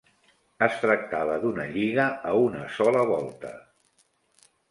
Es tractava d'una lliga a una sola volta.